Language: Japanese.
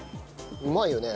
うまいよね？